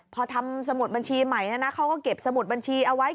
พอทำสมุดบัญชีใหม่นะเขาก็เก็บสมุดบัญชีเอาไว้